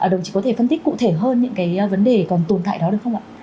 đồng chí có thể phân tích cụ thể hơn những cái vấn đề còn tồn tại đó được không ạ